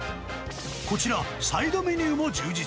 こちら、サイドメニューも充実。